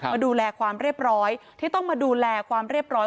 มาดูแลความเรียบร้อยที่ต้องมาดูแลความเรียบร้อย